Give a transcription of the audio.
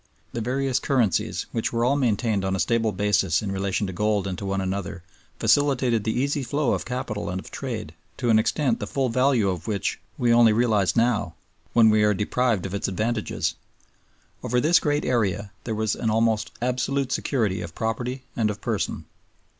The various currencies, which were all maintained on a stable basis in relation to gold and to one another, facilitated the easy flow of capital and of trade to an extent the full value of which we only realize now, when we are deprived of its advantages. Over this great area there was an almost absolute security of property and of person.